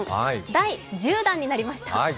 第１０弾になりました。